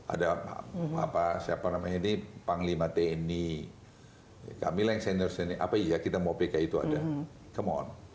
ada siapa namanya ini panglima tni kamileng senior senior apa iya kita mau pki itu ada come on